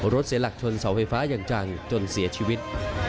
เสียหลักชนเสาไฟฟ้าอย่างจังจนเสียชีวิต